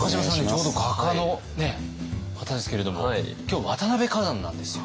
ちょうど画家の方ですけれども今日渡辺崋山なんですよ。